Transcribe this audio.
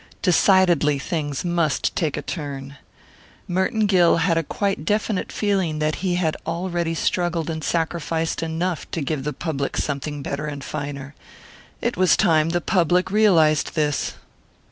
Decidedly things must take a turn. Merton Gill had a quite definite feeling that he had already struggled and sacrificed enough to give the public something better and finer. It was time the public realized this.